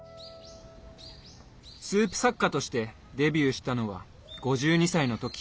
スープ作家としてデビューしたのは５２歳の時。